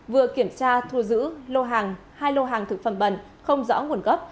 vừa kiểm tra thu giữ lô hàng hai lô hàng thực phẩm bần không rõ nguồn gấp